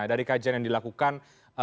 dari kajian yang dilakukan